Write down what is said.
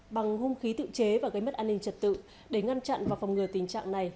bằng hung khí tự chế và gây mất an ninh trật tự để ngăn chặn và phòng ngừa tình trạng này